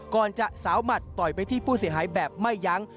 ก่อนจะสาวหมัดต่อยไปที่ผู้เสียหายแบบไม่ยั้ง